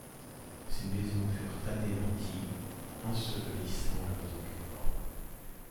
Ces maisons furent anéanties, ensevelissant leurs occupants.